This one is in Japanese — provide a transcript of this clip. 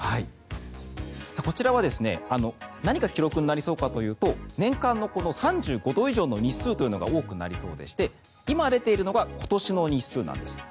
こちらは何が記録になりそうかというと年間の３５度以上という日数が多くなりそうでして今出ているのが今年の日数なんです。